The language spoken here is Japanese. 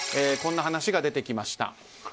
こんな話が出てきました。